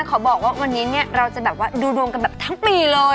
ขอบอกว่าวันนี้เนี่ยเราจะแบบว่าดูดวงกันแบบทั้งปีเลย